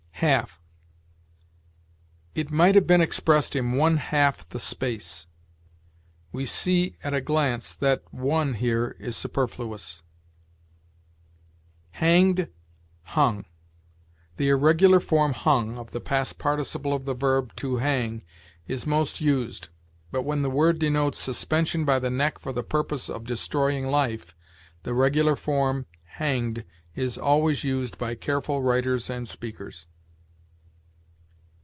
HALF. "It might have been expressed in one half the space." We see at a glance that one here is superfluous. HANGED HUNG. The irregular form, hung, of the past participle of the verb to hang is most used; but, when the word denotes suspension by the neck for the purpose of destroying life, the regular form, hanged, is always used by careful writers and speakers.